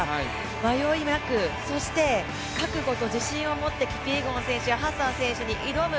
迷いなく、そして覚悟と自信を持ってキピエゴン選手やハッサン選手に挑む